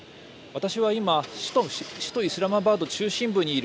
私は今首都イスラマバード中心部にある